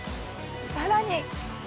さらに。